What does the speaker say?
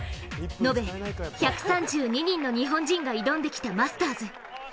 延べ１３２人の日本人が挑んできたマスターズ。